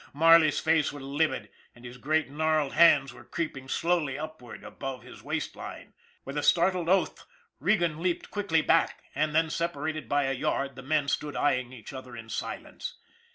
Marley's face was livid, and his great gnarled hands were creep ing slowly upward above his waist line. With a startled oath, Regan leaped quickly back : and then, separated by a yard, the men stood eying each other in silence.